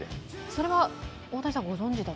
それは大谷さん、ご存じだった？